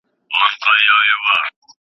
هغه سړی تر موږ ډېر ليري یوې بلي سیمي ته تللی و.